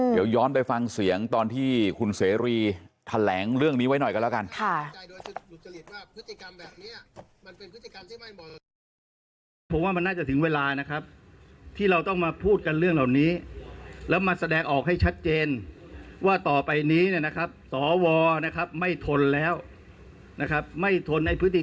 เดี๋ยวย้อนไปฟังเสียงตอนที่คุณเสรีแถลงเรื่องนี้ไว้หน่อยกันแล้วกัน